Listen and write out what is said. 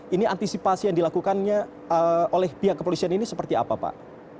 ini antisipasi yang dilakukannya oleh pihak kepolisian ini seperti apa pak